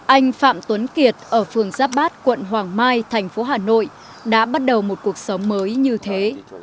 anh phạm tuấn kiệt ở phường giáp bát quận hoàng mai thành phố hà nội đã bắt đầu một cuộc sống mới như thế